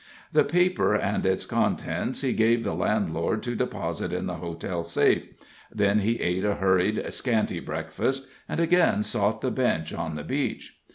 The paper and its contents he gave the landlord to deposit in the hotel safe; then he ate a hurried, scanty breakfast, and again sought the bench on the beach.